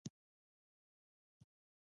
انګلیسي د ساینس ژبه ده